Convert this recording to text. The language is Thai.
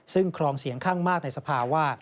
ซึ่งครองเสียงข้างมากในสภาว่า